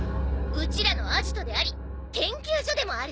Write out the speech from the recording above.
ウチらのアジトであり研究所でもある。